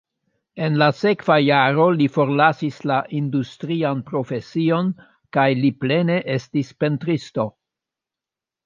En la sekva jaro li forlasis la industrian profesion kaj li plene estis pentristo.